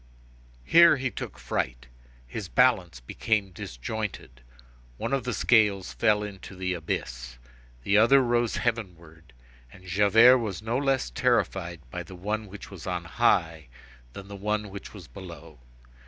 Here he took fright; his balance became disjointed; one of the scales fell into the abyss, the other rose heavenward, and Javert was no less terrified by the one which was on high than by the one which was below.